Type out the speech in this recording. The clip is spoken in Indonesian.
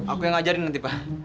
aku yang ngajarin nanti pak